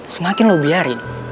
semakin lo biarin